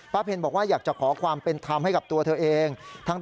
ป้าเพลย์บอกว่าอยากจะขอความเป็นธรรมให้กับเถอก็เอง